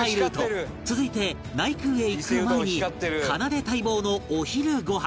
続いて内宮へ行く前にかなで待望のお昼ご飯